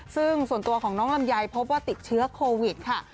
ซึ่งส่วนตัวของน้องลำไยพบว่าติดเชื้อโควิดค่ะ